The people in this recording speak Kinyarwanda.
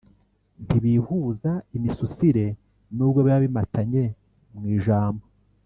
ntibihuza imisusire n’ubwo biba bimatanye mu ijambo.